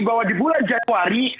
bahwa di bulan januari